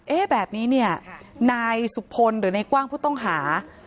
แบบนี้เนี่ยนายสุพลหรือนายกว้างผู้ต้องหา